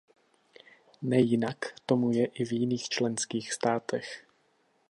Nejinak tomu je i v jiných členských státech.